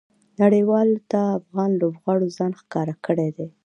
نړۍوالو ته افغان لوبغاړو ځان ښکاره کړى دئ.